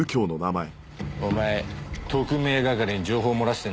お前特命係に情報漏らしてんだろう。